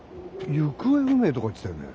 行方不明とか言ってたよね？